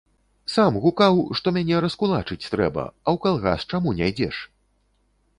Сам гукаў, што мяне раскулачыць трэба, а ў калгас чаму не ідзеш?